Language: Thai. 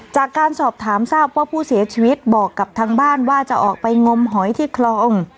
จากการสอบถามทราบว่าผู้เสียชีวิตบอกกับทางบ้านว่าจะออกไปงมหอยที่คลอง